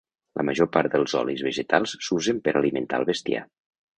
La major part dels olis vegetals s'usen per a alimentar el bestiar.